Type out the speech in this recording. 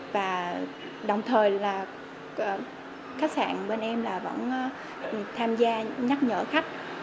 và đồng thời là khách sạn bên em là vẫn tham gia nhắc nhở khách